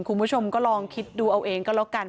คุณผู้ชมก็ลองคิดดูเอาเองก็แล้วกัน